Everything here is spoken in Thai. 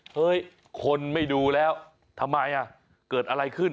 เฮ้ยคนไม่ดูแล้วทำไมเกิดอะไรขึ้น